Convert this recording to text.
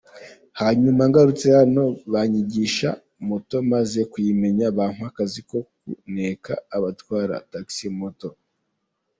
Hanyuma ngarutse hano banyigisha moto maze kuyimenya bampa akazi ko kuneka abatwara taxi moto”!